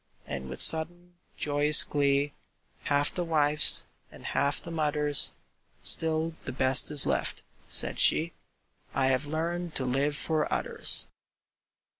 And with sudden, joyous glee, Half the wife's and half the mother's, "Still the best is left," said she: "I have learned to live for others."